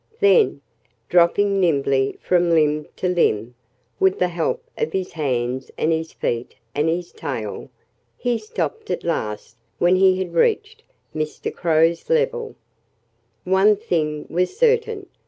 Then, dropping nimbly from limb to limb, with the help of his hands and his feet and his tail, he stopped at last when he had reached Mr. Crow's level. One thing was certain.